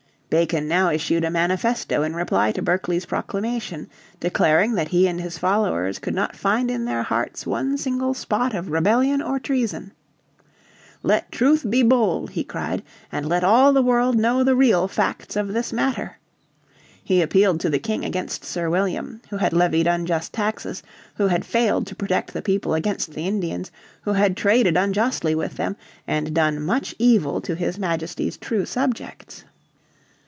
Bacon now issued a manifesto in reply to Berkeley's proclamation, declaring that he and his followers could not find in their hearts one single spot of rebellion or treason. "Let Truth be bold," he cried, "and let all the world know the real facts of this matter." He appealed to the King against Sir William, who had levied unjust taxes, who had failed to protect the people against the Indians, who had traded unjustly with them, and done much evil to his Majesty's true subjects.